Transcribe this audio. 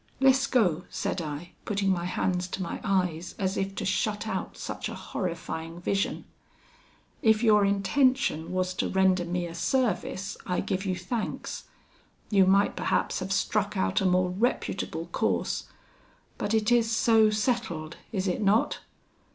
'Lescaut,' said I, putting my hands to my eyes as if to shut out such a horrifying vision, 'if your intention was to render me a service, I give you thanks. You might perhaps have struck out a more reputable course, but it is so settled, is it not?